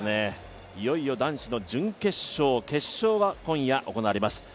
いよいよ男子の準決勝・決勝が行われます。